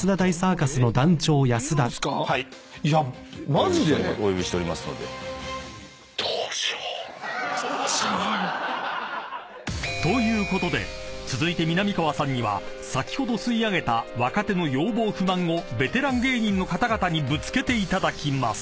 マジで⁉［ということで続いてみなみかわさんには先ほど吸い上げた若手の要望不満をベテラン芸人の方々にぶつけていただきます］